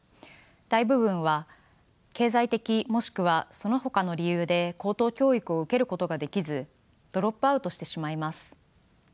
大部分は経済的もしくはそのほかの理由で高等教育を受けることができずドロップアウトしてしまいます。